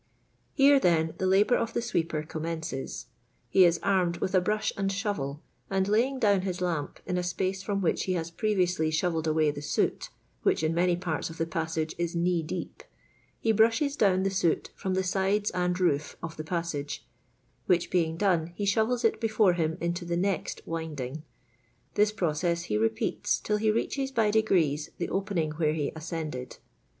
Here, then, the labour of the sweeper com mences : he is armed with a brush and shovel, and laying down his lamp in a space firom which he has preyiously shovelled away the soot, which in many parts of the passage is knee deep, he brushes down the soot firom the sides and roof of the passage, which being done he 'shovels it before him into the next winding; this process he repeats till he reaches, by degrees, the openmg where he ascended.